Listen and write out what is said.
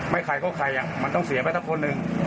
ใครก็ใครมันต้องเสียไปสักคนหนึ่ง